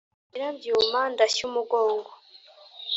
Nyirabyuma ndashya umugongo